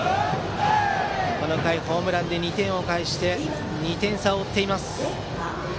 この回ホームランで２点を返して２点差を追います。